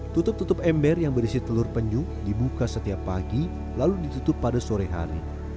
tutup tutup ember yang berisi telur penyu dibuka setiap pagi lalu ditutup pada sore hari